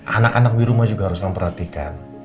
anak anak di rumah juga harus memperhatikan